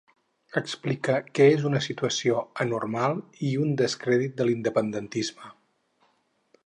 Explica que és una situació anormal i un descrèdit de l'independentisme.